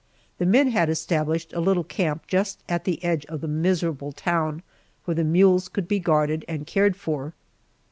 The men had established a little camp just at the edge of the miserable town where the mules could be guarded and cared for.